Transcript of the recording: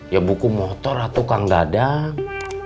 ya buku motor atukang dadang